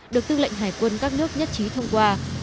được tư lệnh hải quân các nước nhất trí thông qua